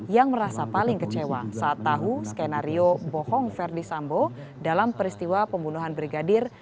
yang merasa paling kecewa saat tahu skenario bohong verdi sambo dalam peristiwa pembunuhan brigadir